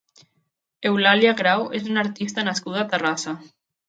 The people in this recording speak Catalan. Eulàlia Grau és una artista nascuda a Terrassa.